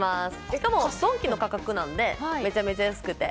しかも、ドンキの価格なのでめちゃくちゃ安くて。